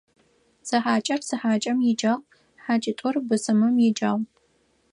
Зы хьакӀэр зы хьакӀэм иджагъу, хьакӀитӀур бысымым иджагъу.